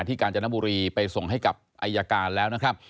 กาญจนบุรีไปส่งให้กับอายการแล้วนะครับ